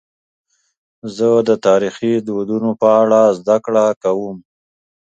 زه د تاریخي دودونو په اړه زدهکړه کوم.